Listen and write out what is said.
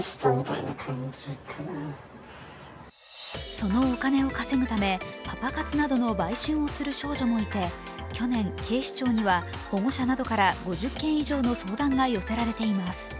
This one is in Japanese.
そのお金を稼ぐためパパ活などの売春をする少女もいて去年、警視庁には保護者などから５０件以上の相談が寄せられています。